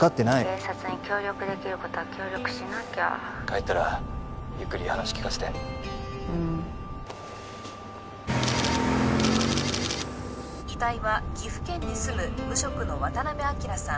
☎警察に協力できることは協力しなきゃ☎帰ったらゆっくり話聞かせてうん遺体は岐阜県に住む無職の渡辺昭さん